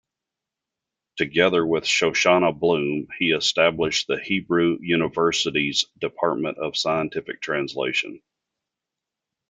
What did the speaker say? Together with Shoshana Bloom, he established the Hebrew University's Department of Scientific Translation.